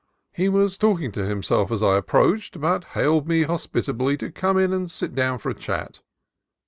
He was talking to himself as I approached, but hailed me hospitably to come in and sit down for a chat.